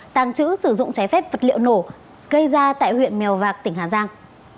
tàng trữ sử dụng trái phép vật liệu nổ gây ra tại huyện mèo vạc tỉnh hà giang